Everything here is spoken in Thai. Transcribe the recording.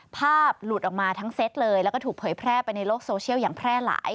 ภาพหลุดออกมาทั้งเซตเลยแล้วก็ถูกเผยแพร่ไปในโลกโซเชียลอย่างแพร่หลาย